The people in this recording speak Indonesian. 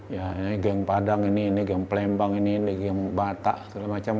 ya geng padang ini geng plembang ini geng bata